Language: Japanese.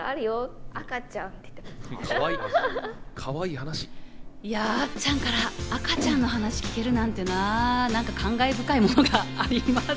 いや、あっちゃんから赤ちゃんの話を聞けるなんてな、感慨深いものがあります。